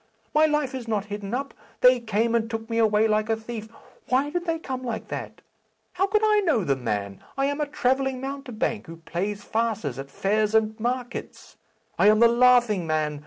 My life is not hidden up. They came and took me away like a thief. Why did they come like that? How could I know the man? I am a travelling mountebank, who plays farces at fairs and markets. I am the Laughing Man.